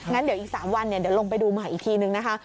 งั้นเดี๋ยวอีก๓วันเดี๋ยวลงไปดูใหม่อีกทีนึงนะคะ